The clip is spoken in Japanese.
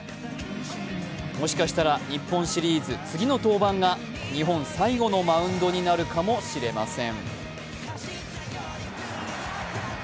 もしかしたら、日本シリーズ次の登板が日本最後のマウンドになるかもしれません。